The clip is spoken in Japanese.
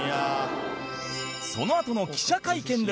そのあとの記者会見では